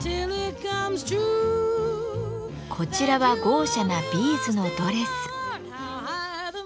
こちらは豪奢なビーズのドレス。